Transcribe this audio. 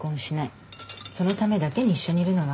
そのためだけに一緒にいるのは偽りですから。